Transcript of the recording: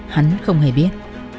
hắn không hề biết